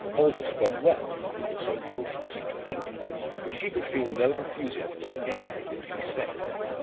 Aldous spoke well or so the audience seemed to think; but she could feel no enthusiasm for anything that he said.